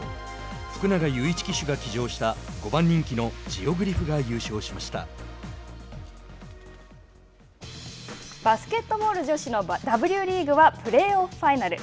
福永祐一騎手が騎乗した５番人気のジオグリフがバスケットボール女子のＷリーグはプレーオフファイナル。